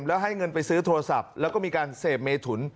แล้วให้เงินไปซื้อโทรศัพท์แล้วก็มีการเสพเมถุน